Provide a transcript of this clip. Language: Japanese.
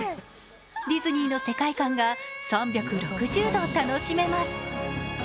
ディズニーの世界観が３６０度楽しめます。